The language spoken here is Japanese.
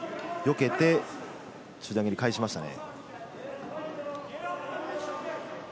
よけて、中段蹴りを返しましたね。